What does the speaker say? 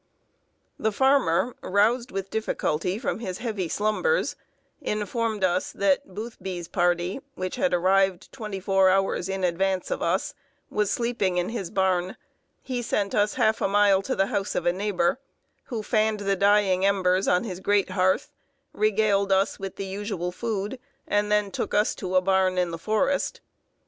] The farmer, roused with difficulty from his heavy slumbers, informed us that Boothby's party, which had arrived twenty four hours in advance of us, was sleeping in his barn. He sent us half a mile to the house of a neighbor, who fanned the dying embers on his great hearth, regaled us with the usual food, and then took us to a barn in the forest.